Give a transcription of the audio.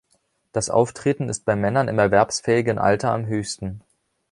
Das Auftreten ist bei Männern im erwerbsfähigen Alter am höchsten.